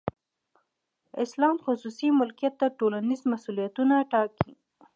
اسلام خصوصي ملکیت ته ټولنیز مسولیتونه ټاکي.